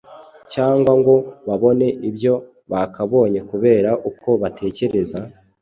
cyangwa ngo babone ibyo bakabonye kubera uko batekereza?